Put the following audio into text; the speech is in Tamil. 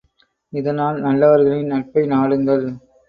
இதனால் நல்லவர்களின் நட்பை நாடுங்கள்.